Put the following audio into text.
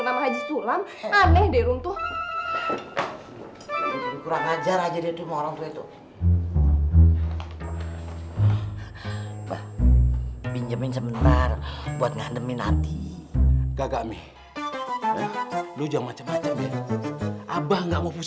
duit yang pasti bisa kita beliin emas sih baik